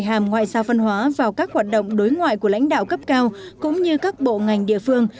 hàm ngoại giao văn hóa vào các hoạt động đối ngoại của lãnh đạo cấp cao cũng như các bộ ngành địa phương